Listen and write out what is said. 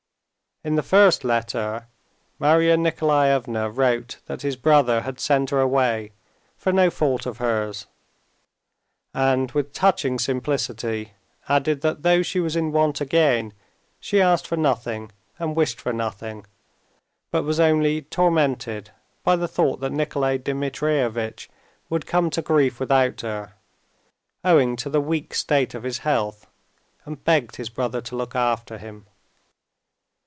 In the first letter, Marya Nikolaevna wrote that his brother had sent her away for no fault of hers, and, with touching simplicity, added that though she was in want again, she asked for nothing, and wished for nothing, but was only tormented by the thought that Nikolay Dmitrievitch would come to grief without her, owing to the weak state of his health, and begged his brother to look after him.